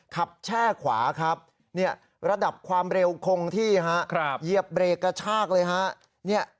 ขับแช่ขวาระดับความเร็วคงที่เหยียบเบรกกระชากเลย